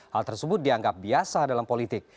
hal tersebut dianggap biasa dalam politik